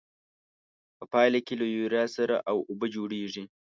په پایله کې له یوریا سره او اوبه جوړیږي.